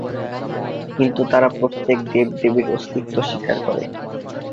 কিন্তু তারা প্রত্যেক দেব-দেবীর অস্তিত্ব স্বীকার করে।